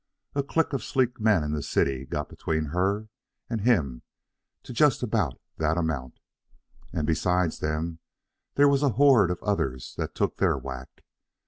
A clique of sleek men in the city got between her and him to just about that amount. And, besides them, there was a horde of others that took their whack.